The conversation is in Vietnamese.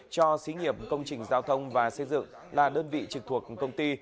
cho xí nghiệp công trình giao thông và xây dựng là đơn vị trực thuộc công ty